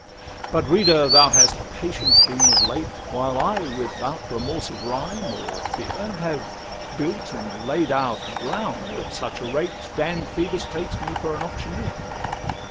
LXXIV But, reader, thou hast patient been of late, While I, without remorse of rhyme, or fear, Have built and laid out ground at such a rate, Dan Phoebus takes me for an auctioneer.